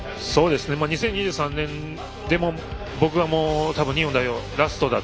２０２３年で僕は多分日本代表ラストだと。